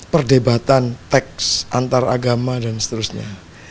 perdebatan teks antaragama dan seterusnya